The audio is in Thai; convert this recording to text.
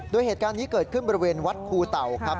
โดยเหตุการณ์นี้เกิดขึ้นบริเวณวัดคูเต่าครับ